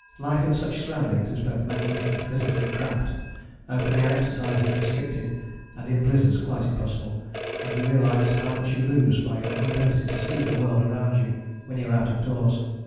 Life in such surroundings is both mentally and physically cramped; open air exercise is restricted and in blizzards quite impossible, and you realize how much you lose by your inability to see the world about you when you are out of doors.